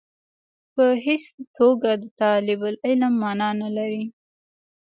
په هېڅ توګه د طالب العلم معنا نه لري.